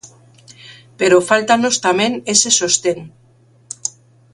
Pero fáltanos tamén ese sostén.